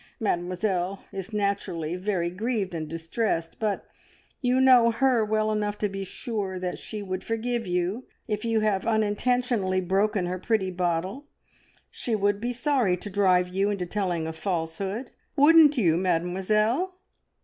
Mademoiselle is naturally very grieved and distressed, but you know her well enough to be sure that she would forgive you if you have unintentionally broken her pretty bottle. She would be sorry to drive you into telling a falsehood wouldn't you, Mademoiselle?"